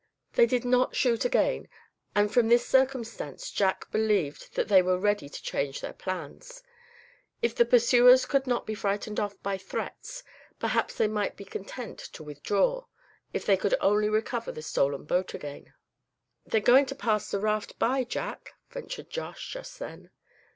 They did not shoot again, and from this circumstance Jack believed that they were ready to change their plans. If the pursuers could not be frightened off by threats, perhaps they might be content to withdraw, if they could only recover the stolen boat again. "They're going to pass the raft by, Jack!" ventured Josh, just then.